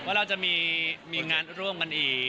ว่าเราจะมีงานร่วมกันอีก